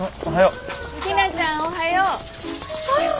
おはよう。